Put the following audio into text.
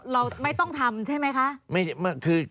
เราไม่ต้องทำใช่ไหมคะ